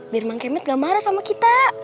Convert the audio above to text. biar emang kemet ga marah sama kita